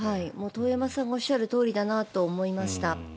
遠山さんがおっしゃるとおりだなと思いました。